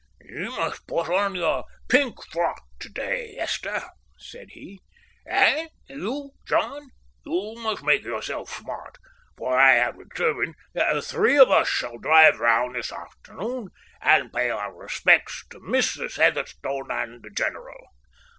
"You must put on your pink frock to day, Esther," said he, "and you, John, you must make yourself smart, for I have determined that the three of us shall drive round this afternoon and pay our respects to Mrs. Heatherstone and the general."